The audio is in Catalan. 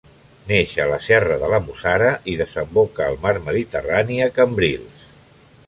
Neix a la serra de la Mussara i desemboca al mar Mediterrani, a Cambrils.